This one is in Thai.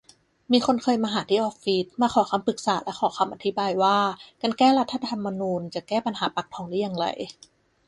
มีคนเคยมาหาที่ออฟฟิศ มาขอคำปรึกษาและขอคำอธิบายว่า การ แก้รัฐธรรมนูญ จะแก้ปัญหาปากท้องได้อย่างไร